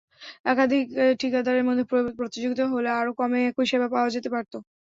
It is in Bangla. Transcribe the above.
একাধিক ঠিকাদারের মধ্যে প্রতিযোগিতা হলে আরও কমে একই সেবা পাওয়া যেতে পারত।